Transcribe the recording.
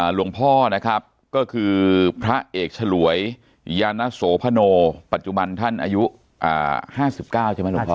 หลวงพ่อนะครับก็คือพระเอกฉลวยยานโสพโนปัจจุบันท่านอายุ๕๙ใช่ไหมหลวงพ่อ